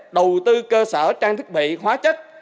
đầu tư cơ sở trang thức bị hóa chất